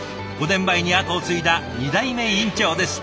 ５年前に後を継いだ２代目院長です。